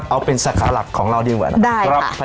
เอาเป็นสาขาหลักของเราดีกว่านะครับ